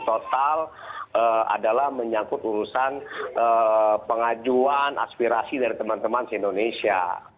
total adalah menyangkut urusan pengajuan aspirasi dari teman teman di indonesia